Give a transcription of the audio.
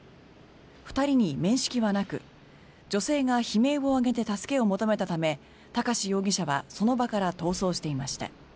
２人に面識はなく女性が悲鳴を上げて助けを求めたため高師容疑者はその場から逃走していました。